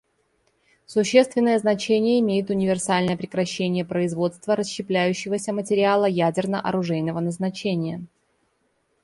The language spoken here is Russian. Существенное значение имеет универсальное прекращение производства расщепляющегося материала ядерно-оружейного назначения.